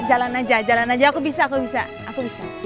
jalan aja jalan aja aku bisa aku bisa